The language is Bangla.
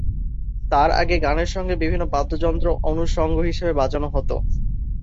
তার আগে গানের সঙ্গে বিভিন্ন বাদ্যযন্ত্র অনুষঙ্গ হিসেবে বাজানো হতো।